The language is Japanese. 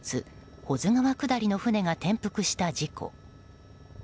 保津川下りの船が転覆した事故。